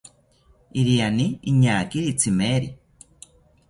Iriani iñakiri tzimeri